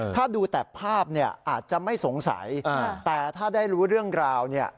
ถ้าดูแต่ภาพเนี่ยอาจจะไม่สงสัยแต่ถ้าได้รู้เรื่องราวเนี่ย